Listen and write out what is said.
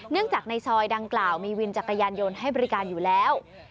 จากในซอยดังกล่าวมีวินจักรยานยนต์ให้บริการอยู่แล้ว